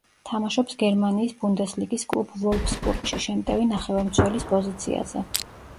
თამაშობს გერმანიის ბუნდესლიგის კლუბ „ვოლფსბურგში“ შემტევი ნახევარმცველის პოზიციაზე.